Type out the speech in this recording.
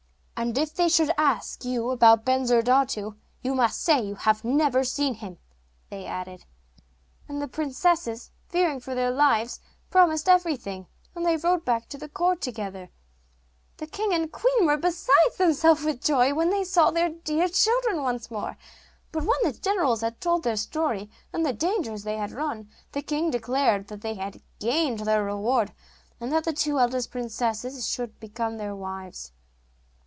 'And if they should ask you about Bensurdatu, you must say you have never seen him,' they added; and the princesses, fearing for their lives, promised everything, and they rode back to court together. The king and queen were beside themselves with joy when they saw their dear children once more. But when the generals had told their story, and the dangers they had run, the king declared that they had gained their reward, and that the two eldest princesses should become their wives.